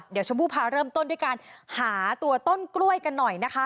เดี๋ยวชมพู่พาเริ่มต้นด้วยการหาตัวต้นกล้วยกันหน่อยนะคะ